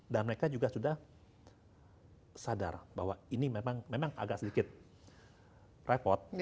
dan mereka juga sudah sadar bahwa ini memang agak sedikit repot